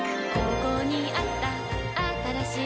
ここにあったあったらしい